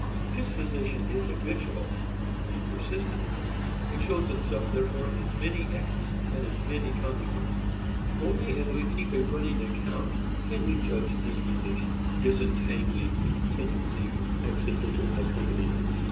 Disposition is habitual, persistent. It shows itself therefore in many acts and in many consequences. Only as we keep a running account, can we judge disposition, disentangling its tendency from accidental accompaniments.